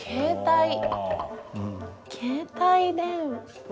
携帯電話？